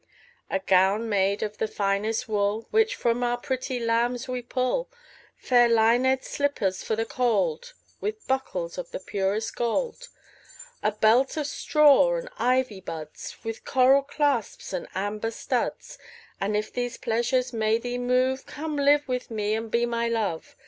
A gown made of the finest wool Which from our pretty lambs we pull; Fair linèd slippers for the cold, 15 With buckles of the purest gold. A belt of straw and ivy buds With coral clasps and amber studs: And if these pleasures may thee move, Come live with me and be my Love.